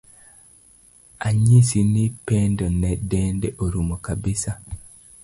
Anyisi ni Pendo ne dende orumo kabisa.